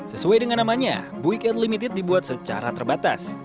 sesuai dengan namanya buick limited dibuat secara terbatas